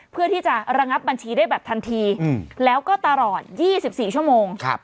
เพื่อที่จะระงับบัญชีได้แบบทันทีแล้วก็ตลอด๒๔ชั่วโมง